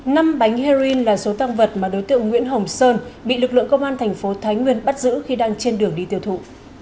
năm bánh heroin là số tăng vật mà đối tượng nguyễn hồng sơn bị lực lượng công an thành phố thái nguyên bắt giữ khi đang trên đường đi tiêu thụ